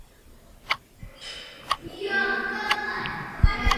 V té době se Maria Teresa začala zajímat také sociální a lidské problémy.